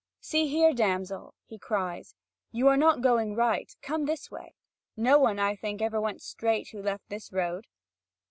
"See here, damsel," he cries, "you are not going right; come this way! No one, I think, ever went straight who left this road."